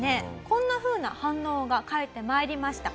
こんなふうな反応が返って参りました。